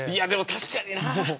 確かにな。